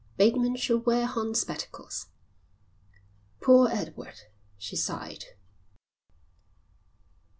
Bateman should wear horn spectacles. "Poor Edward," she sighed.